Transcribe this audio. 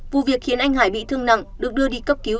vụ việc khiến anh hải bị thương nặng được đưa đi cấp cứu